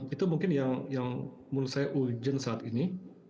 itu mungkin yang menurut saya urgent saat ini